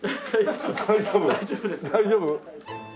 大丈夫。